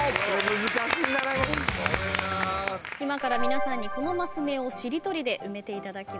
今から皆さんにこのマス目をしりとりで埋めていただきます。